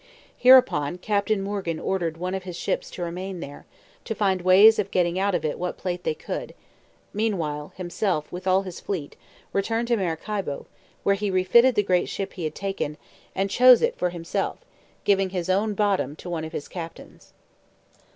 Hereupon, Captain Morgan ordered one of his ships to remain there, to find ways of getting out of it what plate they could; meanwhile, himself, with all his fleet, returned to Maracaibo, where he refitted the great ship he had taken, and chose it for himself, giving his own bottom to one of his captains.